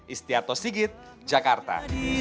istiato sigit jakarta